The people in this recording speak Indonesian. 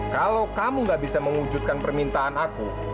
kalau kamu gak bisa mewujudkan permintaan aku